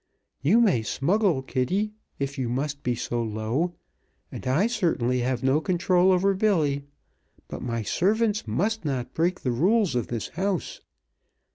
You may smuggle, Kitty, if you must be so low, and I certainly have no control over Billy, but my servants must not break the rules of this house.